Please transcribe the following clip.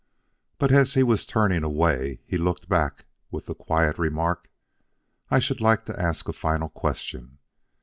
But as he was turning away, he looked back with the quiet remark: "I should like to ask a final question.